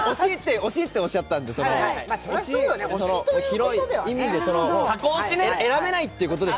推しとおっしゃったので、広い意味で、選べないということです。